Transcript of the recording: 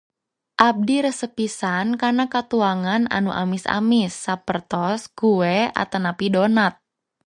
Abdi resep pisan kana katuangan anu amis-amis sapertos kueh atanapi donat